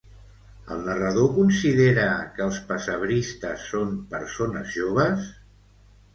El narrador considera que els pessebristes són persones joves?